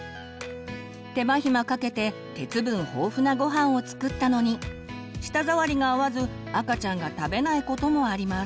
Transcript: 手間暇かけて鉄分豊富なごはんを作ったのに舌触りが合わず赤ちゃんが食べないこともあります。